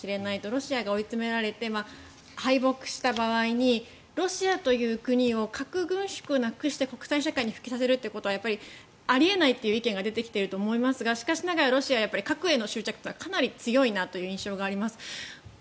ロシアが追い詰められて敗北した場合にロシアという国を核軍縮なくして国際社会に復帰させることはやっぱりあり得ないという意見が出てきていると思いますがしかしながらロシアは核への執着はかなり強いなという印象があります。